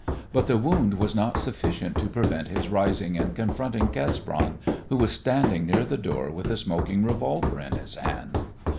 But the wound was not sufficient to prevent his rising and confronting Cesbron, who was standing near the door with a smoking revolver in his hand.